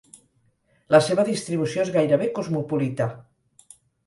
La seva distribució és gairebé cosmopolita.